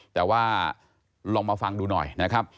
แต่ว่าลองมาฟังดูหน่อยนะครับ